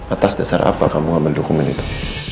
atas terserah apa kamu ambil dukungan itu